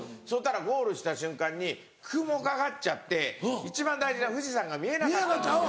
ゴールした瞬間に雲かかっちゃって一番大事な富士山が見えなかったんですよ。